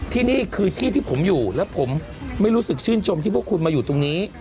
ที่นี่คือที่ที่ผมอยู่และผมไม่รู้สึกชื่นชมที่พวกคุณมาอยู่ตรงนี้